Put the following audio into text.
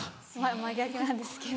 真逆なんですけど。